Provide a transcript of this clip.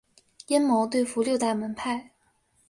阴谋对付六大门派。